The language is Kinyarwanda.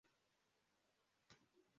impundu mumashuri yisumbuye pep mitingi